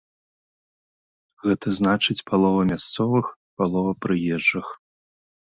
Гэта значыць палова мясцовых, палова прыезджых.